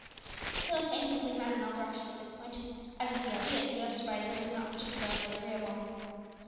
He looked anxiously round in all directions at this point, as if the ideas suggested by his words were not particularly agreeable.